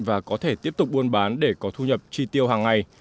và có thể tiếp tục buôn bán để có thu nhập chi tiêu hàng ngày